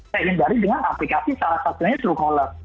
saya hindari dengan aplikasi salah satunya truecaller